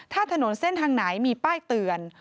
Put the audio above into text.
ถ้าถนนเส้นทางไหนมีป้ายเตือน